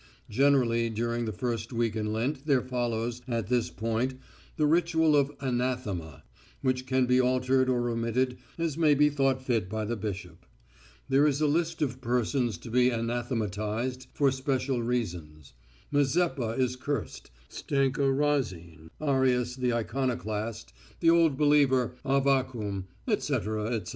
Generally during the first week in Lent there follows, at this point, the ritual of anathema, which can be altered or omitted as may be thought fit by the bishop. There is a list of persons to be anathematised for special reasons, Mazeppa is cursed, Stenka Razin, Arius the iconoclast, the old believer Avvakum, etc., etc.